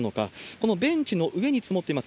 このベンチの上に積もっています